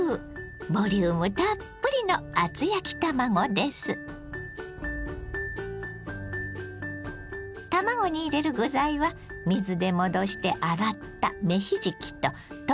ボリュームたっぷりの卵に入れる具材は水で戻して洗った芽ひじきと鶏ひき肉。